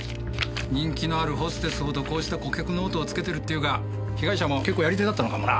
人気のあるホステスほどこうした顧客ノートをつけてるっていうが被害者も結構やり手だったのかもな。